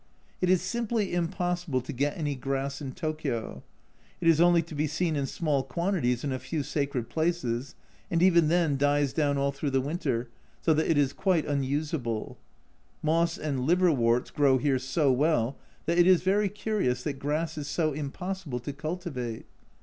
It is simply impossible to get any grass in Tokio, it is only to be seen in small quantities in a few sacred places, and even then dies down all through the winter, so that it is quite unusable. Moss and liverworts grow here so well that it is very curious that grass is so impossible to cultivate.